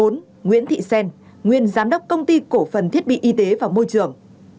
bốn nguyễn thị xen nguyên giám đốc công ty cổ phần thiết bị y tế và môi trường